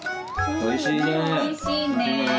おいしいね。